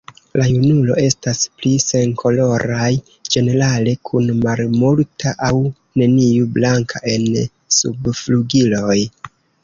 La junulo estas pli senkoloraj ĝenerale, kun malmulta aŭ neniu blanka en subflugiloj.